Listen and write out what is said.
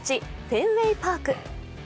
フェンウェイ・パーク。